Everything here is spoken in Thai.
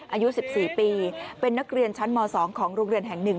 อายุ๑๔ปีเป็นนักเรียนชั้นม๒ของโรงเรียนแห่ง๑